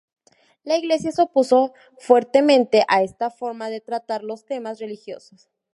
La Iglesia se opuso fuertemente a esta forma de tratar los temas religiosos.